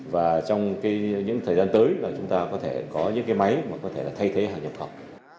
và trong những thời gian tới là chúng ta có những máy có thể thay thế hàng nhập khẩu